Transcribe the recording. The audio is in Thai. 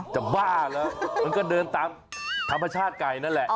บ้าเหรอมันก็เดินตามธรรมชาติไก่นั่นแหละ